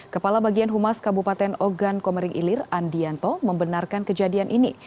kepala bagian humas kabupaten ogan komering ilir andianto membenarkan kejadian ini